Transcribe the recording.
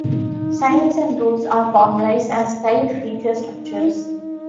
Signs and rules are formalized as typed feature structures.